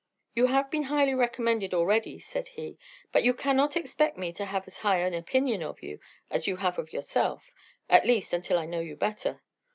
"You have been highly recommended already," said he. "But you cannot expect me to have as high an opinion of you as you have of yourself; at least, until I know you better.